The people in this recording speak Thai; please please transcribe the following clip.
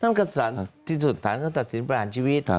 นั่นก็สารที่สุดฐานก็ตัดสินประหารชีวิต